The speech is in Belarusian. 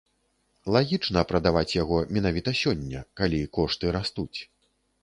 Лагічна прадаваць яго менавіта сёння, калі кошты растуць.